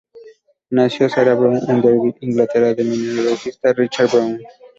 Nació Sarah Brown en Derby, Inglaterra del mineralogista Richard Brown.